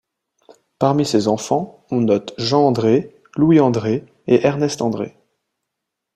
Parmi ses enfants, on note Jean André, Louis André et Ernest André.